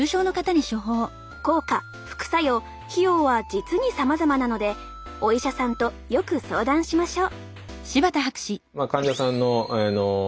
効果副作用費用は実にさまざまなのでお医者さんとよく相談しましょう。